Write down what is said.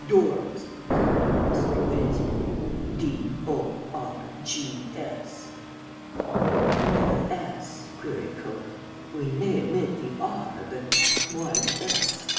"'Dorgs,' said the witness, convincingly 'D o r g s.' "'Why s?' queried Coke. 'We may admit the r, but why the s?'